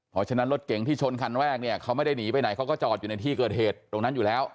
เพราะฉะนั้นรถเก่งที่ชนคันแรกเนี่ยเขาไม่ได้หนีไปไหนเขาก็จอดอยู่ในที่เกิดเหตุตรงนั้นอยู่แล้ว